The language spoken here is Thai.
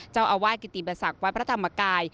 เจ้าอวาดกิติบรรษักวัดพระธรรมกาย